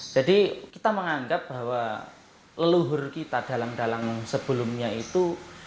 jadi kita menganggap bahwa leluhur kita dalam dalang sebelumnya itu